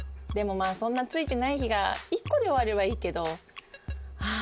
まあそんなついてない日が一個で終わればいいけどああ